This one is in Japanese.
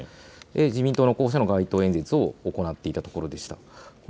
自民党の候補者の街頭演説を行っていたところでした。